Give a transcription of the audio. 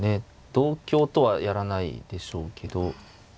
同香とはやらないでしょうけど。